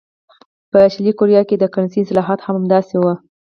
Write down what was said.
په شلي کوریا کې د کرنسۍ اصلاحات هم همداسې وو.